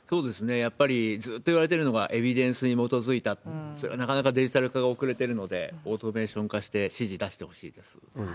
やっぱりずっといわれてるのが、エビデンスに基いた、なかなかデジタル化が遅れてるので、オートメーション化して、指示出してほしいです。